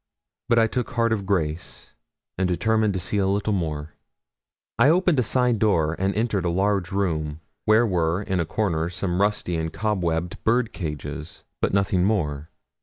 But I took heart of grace and determined to see a little more. I opened a side door, and entered a large room, where were, in a corner, some rusty and cobwebbed bird cages, but nothing more.